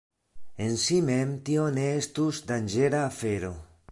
En si mem tio ne estus danĝera afero.